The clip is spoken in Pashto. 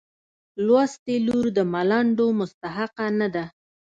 لوستې لور د ملنډو مستحقه نه ده.